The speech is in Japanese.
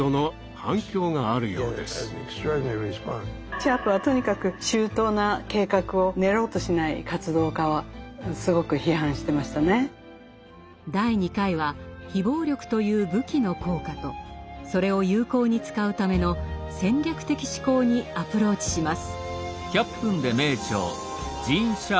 シャープはとにかく第２回は非暴力という「武器」の効果とそれを有効に使うための戦略的思考にアプローチします。